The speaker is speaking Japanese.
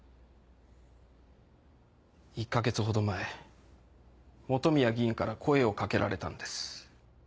１か月ほど前本宮議員から声をかけられたんです。